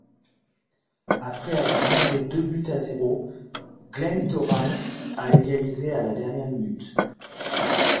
Après avoir mené deux buts à zéro; Glentoran a égalisé à la minute.